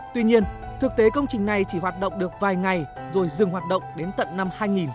tuy nhiên thực tế công trình này chỉ hoạt động được vài ngày rồi dừng hoạt động đến tận năm hai nghìn một mươi